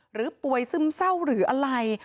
หรือป่วยซึมเศร้าหรืออะไร